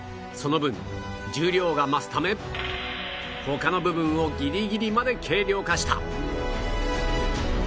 その分重量が増すため他の部分をギリギリまで軽量化した